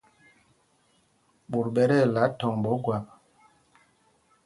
Ɓot ɓɛ tí ɛla thɔŋ ɓɛ Ogwap.